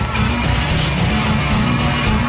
จุ่มแพ้